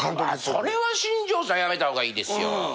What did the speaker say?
それは新庄さんやめた方がいいですよ。